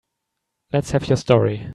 Let's have your story.